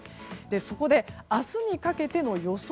そこで明日にかけての予想